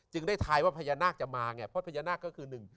ได้ทายว่าพญานาคจะมาไงเพราะพญานาคก็คือหนึ่ง